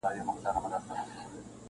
تورلباس واغوندهیاره باک یې نسته,